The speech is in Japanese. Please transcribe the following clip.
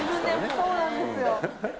そうなんですよ